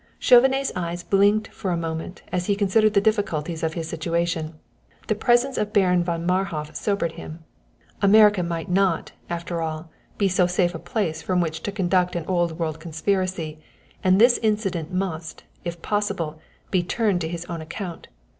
Chauvenet's eyes blinked for a moment as he considered the difficulties of his situation. The presence of Baron von Marhof sobered him. America might not, after all, be so safe a place from which to conduct an Old World conspiracy, and this incident must, if possible, be turned to his own account.